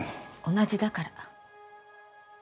同じだから。